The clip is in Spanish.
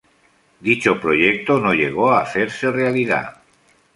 Dicho proyecto no llegó a hacerse realidad.